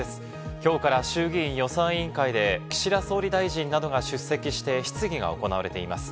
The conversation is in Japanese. きょうから衆議院予算委員会で、岸田総理大臣などが出席して、質疑が行われています。